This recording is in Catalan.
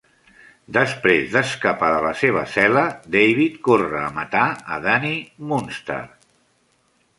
Després d'escapar de la seva cel·la, David corre a matar a Dani Moonstar.